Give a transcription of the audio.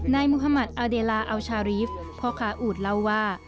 นายม๕๐๐อเดลเอาชารีฟพคาอูดเล่าว่า